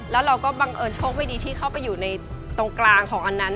แล้วเราก็บังเอิญโชคไม่ดีที่เข้าไปอยู่ในตรงกลางของอันนั้น